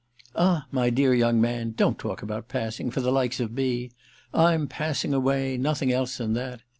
"Ah, my dear young man, don't talk about passing—for the likes of me! I'm passing away—nothing else than that.